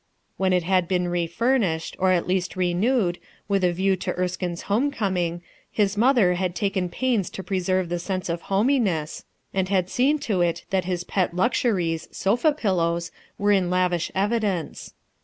When it had been refurnished, or at least renewed, with a view to Erckine's home coming, hb mother had taken pains to preserve the sense of homclness, and had seen to it that his pet luxuries, sofa pillows, were in lavish evidence.